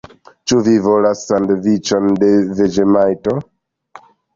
Ĉu vi volas sandviĉon de veĝemajto?